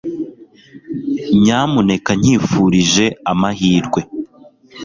nyamuneka nyifurije amahirwe